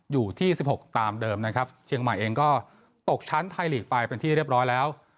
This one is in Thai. อยู่ที่สิบหกตามเดิมนะครับเชียงใหม่เองก็ตกชั้นไทยลีกไปเป็นที่เรียบร้อยแล้ว